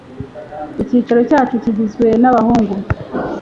Icyiciro cyacu kigizwe nabahungu